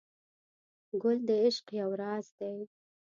ګل د عشق یو راز دی.